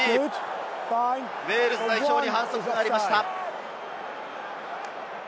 ウェールズ代表に反則がありました。